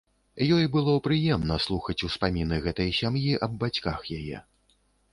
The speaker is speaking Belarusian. Ёй было прыемна слухаць успаміны гэтай сям'і аб бацьках яе.